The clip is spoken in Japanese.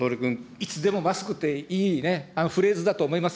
いつでもマスクっていいフレーズだと思います。